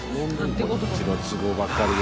こっちの都合ばっかりで。